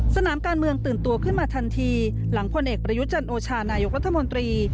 สนามการเมืองตื่นตัวขึ้นมาทันทีหลังพลเอกประยุจันโอชานายกรัฐมนตรี